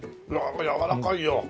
やわらかいよ。